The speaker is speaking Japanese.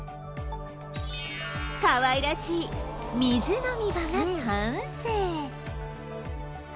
かわいらしい水飲み場が完成